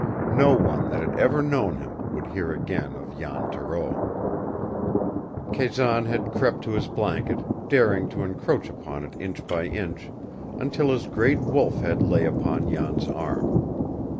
No one that had ever known him would hear again of Jan Thoreau. Kazan had crept to his blanket, daring to encroach upon it inch by inch, until his great wolf head lay upon Jan's arm.